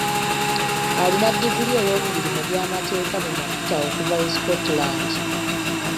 Alina ddiguli eyookubiri mu by’amateeka mu mafuta okuva e Scotland.